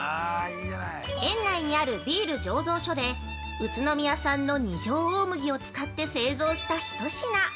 園内にあるビール醸造所で宇都宮産の二条大麦を使って製造した一品。